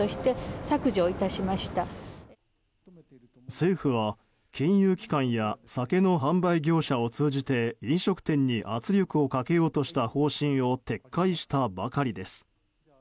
政府は、金融機関や酒の販売業者を通じて飲食店に圧力をかけようとした方針を撤回したばかりです。